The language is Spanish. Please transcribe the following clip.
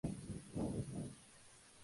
Ahí fue nombrado rey.